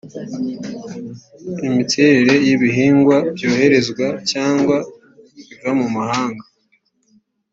imiterere y ibihingwa byoherezwa cyangwa biva mu mahanga